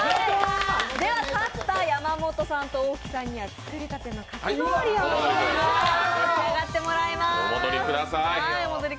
では、勝った山本さんと大木さんには作りたてのかき氷を召し上がってもらいます。